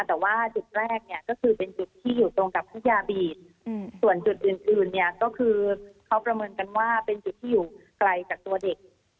แต่ว่าจุดแรกเนี่ยก็คือเป็นจุดที่อยู่ตรงกับพัทยาบีดส่วนจุดอื่นเนี่ยก็คือเขาประเมินกันว่าเป็นจุดที่อยู่ไกลจากตัวเด็ก